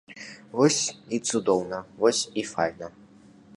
Вось і цудоўна, вось і файна!